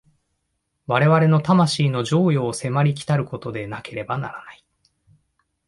我々の魂の譲与を迫り来ることでなければならない。